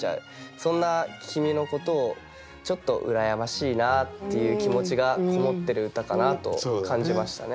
そんな「君」のことをちょっと羨ましいなっていう気持ちがこもってる歌かなと感じましたね。